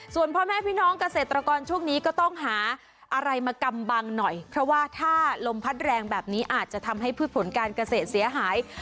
ส่วนพ่อแม่พี่น้องเกษตรกรช่วงนี้ก็ต้องหาอะไรมากำบังหน่อยเพราะว่าถ้าลมพัดแรงแบบนี้อาจจะทำให้พืชผลการเกษตรเสียหาย